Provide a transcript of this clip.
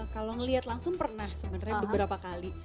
kalau ngelihat langsung pernah sebenarnya beberapa kali